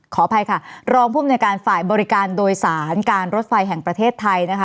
ขออภัยค่ะรองภูมิในการฝ่ายบริการโดยสารการรถไฟแห่งประเทศไทยนะคะ